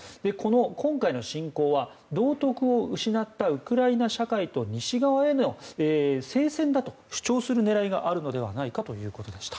今回の侵攻は道徳を失ったウクライナ社会と西側への聖戦だと主張する狙いがあるのではないかということでした。